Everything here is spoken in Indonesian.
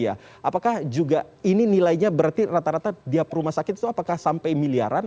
apakah juga ini nilainya berarti rata rata tiap rumah sakit itu apakah sampai miliaran